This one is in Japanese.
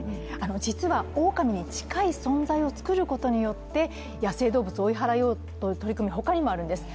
実はおおかみに近い存在を作ることによって、野生動物を追い払おうという取り組みは他にもあるんです。